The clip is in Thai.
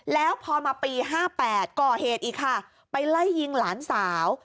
แล้วพอมาปี๕๘ก่อเหตุอีกค่ะไปไล่ยิงหลานสาว